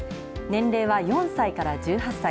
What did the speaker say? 年齢は４歳から１８歳。